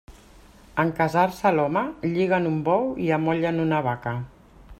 En casar-se l'home, lliguen un bou i amollen una vaca.